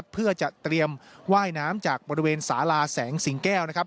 เพื่อจะเตรียมว่ายน้ำจากบริเวณสาลาแสงสิงแก้วนะครับ